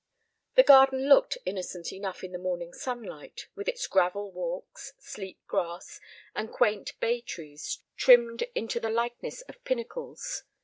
The garden looked innocent enough in the morning sunlight, with its gravel walks, sleek grass, and quaint bay trees trimmed into the likeness of pinnacles.